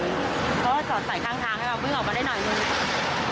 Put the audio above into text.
เพราะว่าตอนใส่ทางให้เราอุ้งออกมาได้หน่อยหนึ่ง